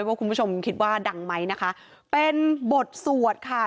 ว่าคุณผู้ชมคิดว่าดังไหมนะคะเป็นบทสวดค่ะ